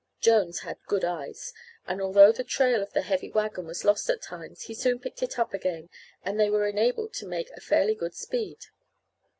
Jones had good eyes, and although the trail of the heavy wagon was lost at times he soon picked it up again and they were enabled to make fairly good speed.